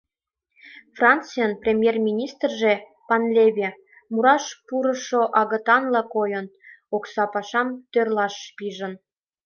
Францийын премьер-министрже Пенлеве, мураш пурышо агытанла койын, окса пашам тӧрлаш пижын.